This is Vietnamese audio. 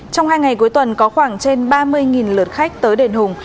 trong hai ngày cuối tuần có khoảng trên ba mươi lượt khách tới đền hùng